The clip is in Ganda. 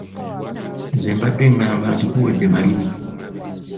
Nze mbadde ng'amba nti guwedde maliri!